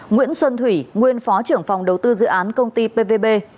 nguyễn xuân thủy nguyên phó trưởng phòng đầu tư dự án công ty pvb